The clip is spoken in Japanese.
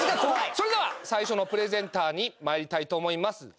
それでは最初のプレゼンターにまいりたいと思います。